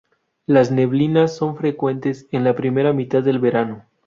Las neblinas son frecuentes en la primera mitad del verano.